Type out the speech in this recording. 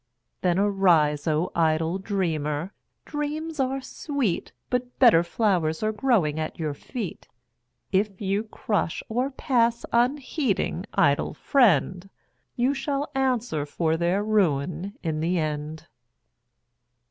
Then arise, O idle dreamer! Dreams are sweet, But better flowers are growing at your feet. If you crush, or pass unheeding, idle friend, You shall answer for their ruin in the end.